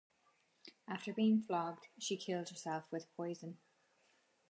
After being flogged she killed herself with poison.